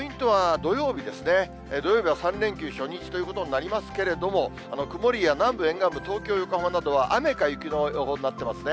土曜日は３連休初日ということになりますけれども、曇りや、南部沿岸部、東京、横浜などは雨か雪の予報になってますね。